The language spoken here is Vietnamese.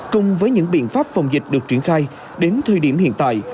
cùng với những biện pháp phòng dịch được triển khai đến thời điểm hiện tại